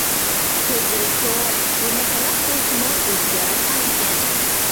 كۆزلىرى چوڭ، بۇرنى پاناق بولسىمۇ ئۆزىگە ياراشقان ئىكەن.